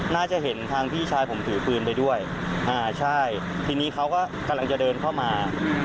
น่าจะเห็นทางพี่ชายผมถือปืนไปด้วยอ่าใช่ทีนี้เขาก็กำลังจะเดินเข้ามา